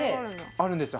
あるんですよ